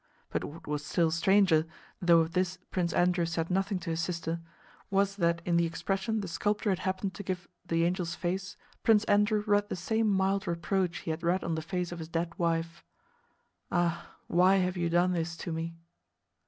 But what was still stranger, though of this Prince Andrew said nothing to his sister, was that in the expression the sculptor had happened to give the angel's face, Prince Andrew read the same mild reproach he had read on the face of his dead wife: "Ah, why have you done this to me?"